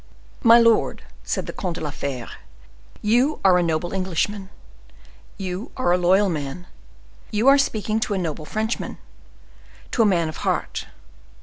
My lord," said the Comte de la Fere, "you are an noble Englishman, you are a loyal man; you are speaking to a noble Frenchman, to a man of heart.